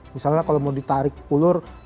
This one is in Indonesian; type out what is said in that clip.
misalnya kalau mau ditarik ulur